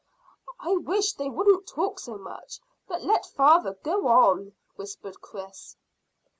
"I wish they wouldn't talk so much, but let father go on," whispered Chris.